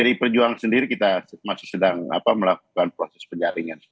pdi perjuangan sendiri kita masih sedang melakukan proses penjaringan